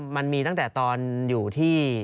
มันมีตั้งแต่ตอนอยู่ที่